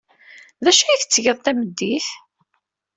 D acu ay tettgeḍ tameddit?